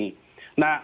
nah ada opsi lainnya